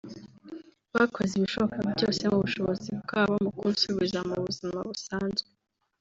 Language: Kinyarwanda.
Bakoze ibishoboka byose mu bushobozi bwabo mu kunsubiza mu buzima busanzwe